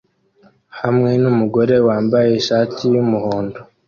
hamwe numugore wambaye ishati yumuhondo